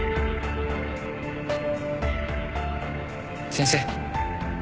先生。